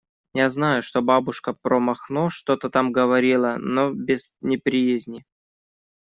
Я знаю, что бабушка про Махно что-то там говорила, но без неприязни.